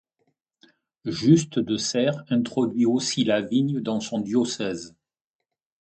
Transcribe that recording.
Just de Serres introduit aussi la vigne dans son diocèse.